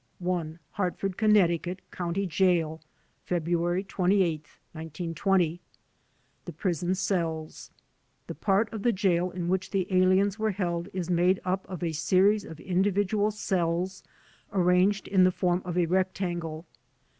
I. Hartford, Conn., County Jail, February 28, 1920 The Prison Cells The part of the jail in which the aliens were held is made up of a series of individual cells arranged in the form of a rectangle.